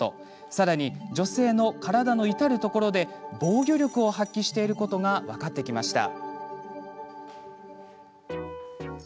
さらに、女性の体の至るところで防御力を発揮していることが分かってきました。